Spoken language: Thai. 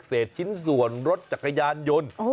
เสร็จชิ้นส่วนรถจักรยานยนต์